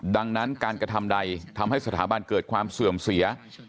ดังนั้นการกระทำใดทำให้สถาบันเกิดความเสื่อมเสีย